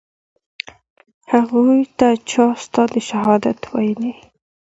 هغوى ته چا ستا د شهادت ويلي.